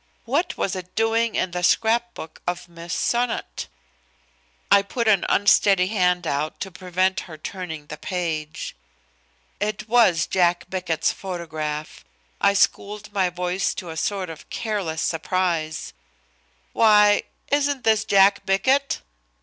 What was it doing in the scrap book of Miss Sonnot? I put an unsteady hand out to prevent her turning the page. It was Jack Bickett's photograph. I schooled my voice to a sort of careless surprise: "Why! Isn't this Jack Bickett?"